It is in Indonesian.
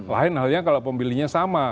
lain halnya kalau pemilihnya sama